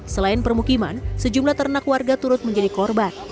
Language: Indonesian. selain permukiman sejumlah ternak warga turut menjadi korban